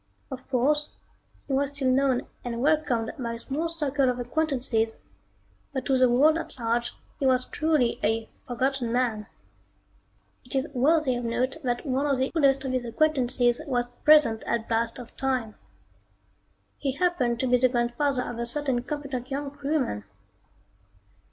Of course, he was still known and welcomed by a small circle of acquaintances, but to the world at large he was truly a "forgotten man." It is worthy of note that one of the oldest of these acquaintances was present at blast off time. He happened to be the grandfather of a certain competent young crewman.